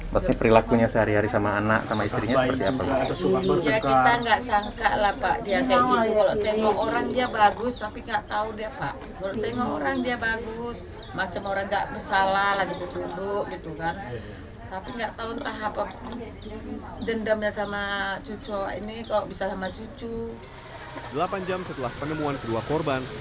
delapan jam setelah penemuan kedua pak